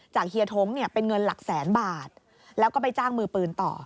เฮียท้งเนี่ยเป็นเงินหลักแสนบาทแล้วก็ไปจ้างมือปืนต่อ